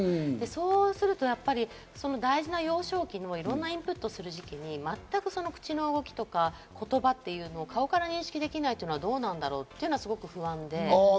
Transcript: そうするとやっぱり大事な幼少期のいろんなインプットする時期に全く口の動きとか言葉っていうのを顔から認識できないっていうのはどうなんだろう？っていうのはすごく不安で。